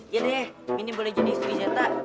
yadeh ini boleh jadi istri zeta